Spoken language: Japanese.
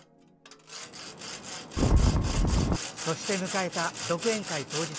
そして迎えた独演会当日。